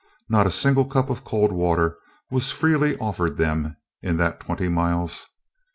Not a single cup of cold water was freely offered them in that twenty miles.